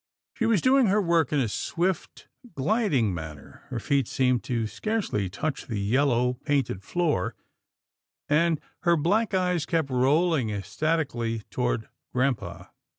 She was doing her work in a swift, gliding man ner, her feet seemed to scarcely touch the yellow, painted floor, and her black eyes kept rolling ecstatically toward grampa.